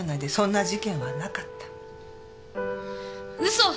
嘘！